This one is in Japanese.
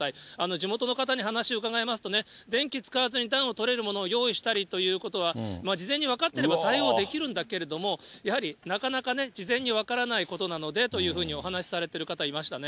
地元の方に話を伺いますとね、電気使わずに暖をとれるものを用意したりということは、事前に分かっていれば対応できるんだけれども、やはりなかなか事前に分からないことなのでというふうにお話されてる方いましたね。